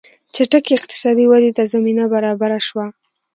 چټکې اقتصادي ودې ته زمینه برابره شوه.